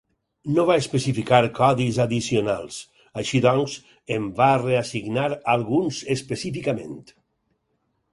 No va especificar codis addicionals; així doncs, en va reassignar alguns específicament.